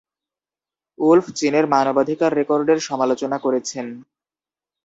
Wolf চীনের মানবাধিকার রেকর্ডের সমালোচনা করেছেন।